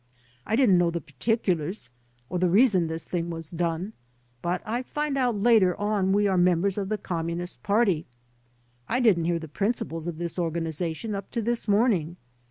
I didn't know the particulars or the reason this thing was done^ but I find out later on we are members of the G)mmunist Party. I didn't hear the principles of this organization up to this morning.